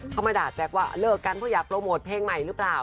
เขามาด่าแจ๊คว่าเลิกกันเพราะอยากโปรโมทเพลงใหม่หรือเปล่า